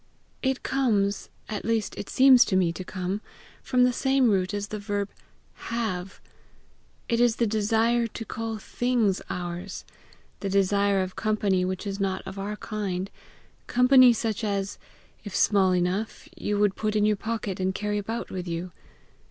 "It comes at least it seems to me to come from the same root as the verb HAVE. It is the desire to call THINGS ours the desire of company which is not of our kind company such as, if small enough, you would put in your pocket and carry about with you.